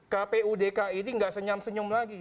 kpudk ini tidak senyam senyum lagi